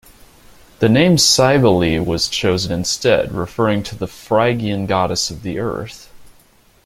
The name Cybele was chosen instead, referring to the Phrygian goddess of the earth.